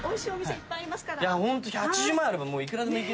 ホント８０万円あればいくらでもいけるんで。